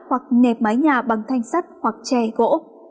hoặc nệp mái nhà bằng thanh sắt hoặc chè gỗ